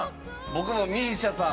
僕もＭＩＳＩＡさん。